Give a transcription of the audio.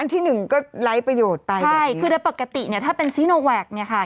อันที่๑ก็ไร้ประโยชน์ไปแบบนี้ใช่คือในปกติถ้าเป็นซีโนแวคนี่ค่ะ